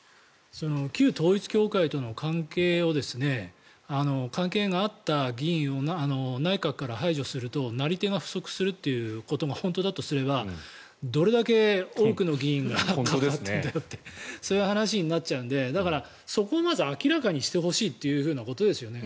旧統一教会との関係があった議員を内閣から排除するとなり手が不足するということが本当だとすればどれだけ多くの議員が関わってるんだよって話になっちゃうのでそこをまず明らかにしてほしいということですよね。